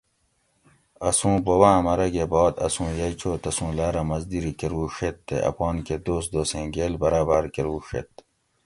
اسوں بوباۤں مرگہ بعد اسوں یئی چو تسوں لاۤرہ مزدیری کۤروڛیت تے اپان کہ دوس دوسیں گیل برابر کۤروڛیت